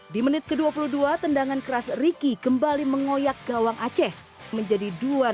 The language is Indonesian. di menit ke dua puluh dua tendangan keras ricky kembali mengoyak gawang aceh menjadi dua satu